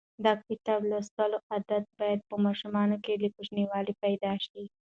د کتاب لوستلو عادت باید په ماشومانو کې له کوچنیوالي پیدا شي.